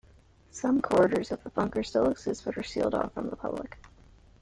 Some corridors of the bunker still exist, but are sealed off from the public.